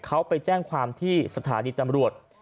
เขาไปแจ้งความที่สถานีตำรวจ